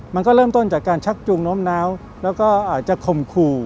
มันก็เริ่มต้นจากการชักจูงโน้มน้าวแล้วก็อาจจะข่มขู่